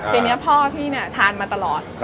ทีนี้พ่อพี่เนี่ยทานมาตลอด